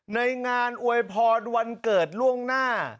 ในงานอวยพรวันเกิดล่วงหน้า